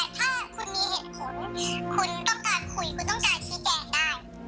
เอามา๑๐๐๐ล้านยังไม่เอาเลยเปลี่ยนเพจง่ายกว่า